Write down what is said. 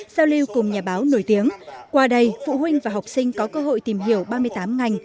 giao lưu cùng nhà báo nổi tiếng qua đây phụ huynh và học sinh có cơ hội tìm hiểu ba mươi tám ngành